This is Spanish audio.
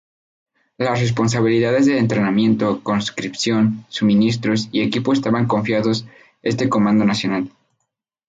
Las responsabilidades de entrenamiento, conscripción, suministros, y equipos estaban confiados este Comando nacional.